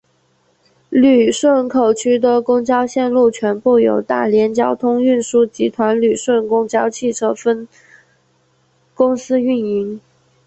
旅顺口区的公交线路全部由大连交通运输集团旅顺公交汽车分公司运营。